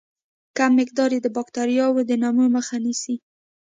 کم مقدار یې د باکتریاوو د نمو مخه نیسي.